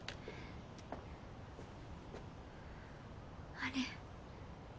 あれ？